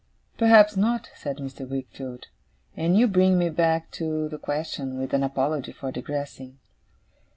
'Perhaps not,' said Mr. Wickfield; 'and you bring me back to the question, with an apology for digressing.